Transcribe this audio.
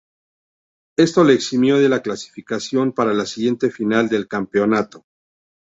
Esto le eximió de la clasificación para la siguiente final del campeonato.